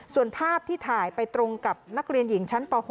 ส่วนภาพที่ถ่ายไปตรงกับนักเรียนหญิงชั้นป๖